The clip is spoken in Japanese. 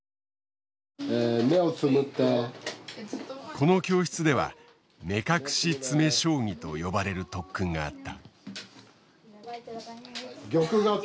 この教室では目隠し詰将棋と呼ばれる特訓があった。